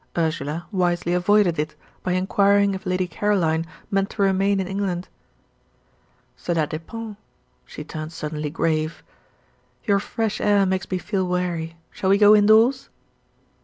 Ursula wisely avoided it, by inquiring if Lady Caroline meant to remain in England. "Cela depend." She turned suddenly grave. "Your fresh air makes me feel weary. Shall we go in doors?"